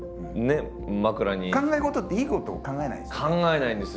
考え事っていいこと考えないでしょ？